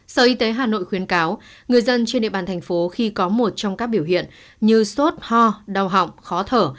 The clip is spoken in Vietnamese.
sở y tế hà nội khuyến cáo người dân trên địa bàn thành phố khi có một trong các biểu hiện như sốt ho đau họng khó thở